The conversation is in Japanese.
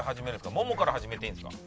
腿から始めていいんですか？